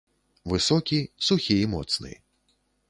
Высокі, сухі і моцны.